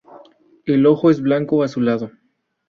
El ojo es blanco azulado.